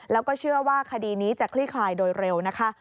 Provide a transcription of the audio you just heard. แล้วก็เชื่อว่าคดีนี้จะคลี่คลายโดยเร็วนะคะ